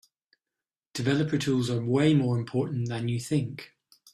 Developer Tools are way more important than you think.